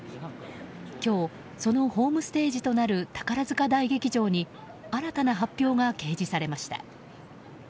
今日、そのホームステージとなる宝塚大劇場に新たな発表が掲示されました。